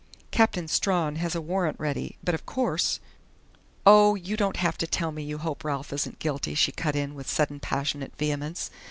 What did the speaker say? "Captain Strawn has a warrant ready, but of course " "Oh, you don't have to tell me you hope Ralph isn't guilty!" she cut in with sudden passionate vehemence.